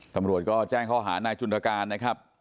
สมรวจก็แจ้งข้อหาหน้าจุณฑการนะครับ